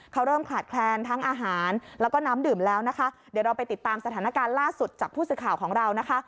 เขาเริ่มขาดแคลนทั้งอาหารแล้วก็น้ำดื่มแล้วนะคะเดี๋ยวเราไปติดตามสถานการณ์ล่าสุดจากผู้สื่อข่าวของเรานะคะ